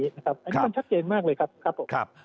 นี่มันชัดเจนมากเลยครับครับ